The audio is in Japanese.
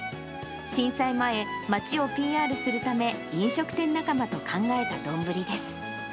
震災前、町をＰＲするため、飲食店仲間と考えた丼です。